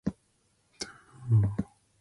His dress is also of note.